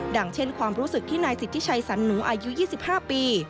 อย่างเช่นความรู้สึกที่นายสิทธิชัยสันหนูอายุ๒๕ปี